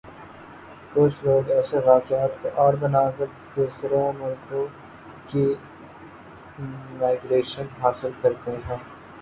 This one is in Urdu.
کُچھ لوگ ایسے واقعات کوآڑ بنا کردوسرے ملکوں کی امیگریشن حاصل کرتے ہیں